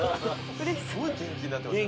すごい元気になってますよ